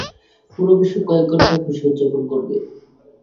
পুরো বিশ্ব কয়েক ঘন্টা খুশি উদযাপন করবে।